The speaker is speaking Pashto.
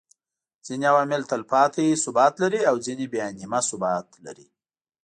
ځيني عوامل تلپاتي ثبات لري او ځيني بيا نيمه ثبات لري